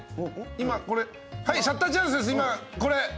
今これシャッターチャンスです！